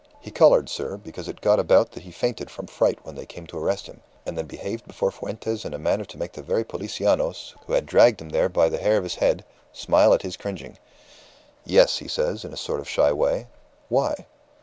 He coloured, sir, because it got about that he fainted from fright when they came to arrest him, and then behaved before Fuentes in a manner to make the very policianos, who had dragged him there by the hair of his head, smile at his cringing. 'Yes,' he says, in a sort of shy way. 'Why?